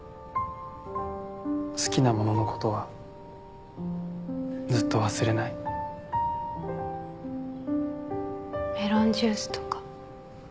好きなもののことはずっと忘れないメロンジュースとか？